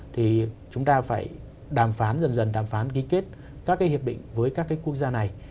thì chúng ta phải đàm phán dần dần đàm phán ký kết các cái hiệp định với các cái quốc gia này